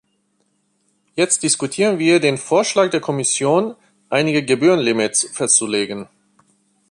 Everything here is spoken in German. Jetzt diskutieren wir den Vorschlag der Kommission, einige Gebührenlimits festzulegen.